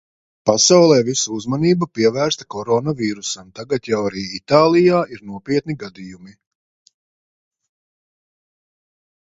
Pasaulē visa uzmanība pievērsta Korona vīrusam. Tagad jau arī Itālijā ir nopietni gadījumi.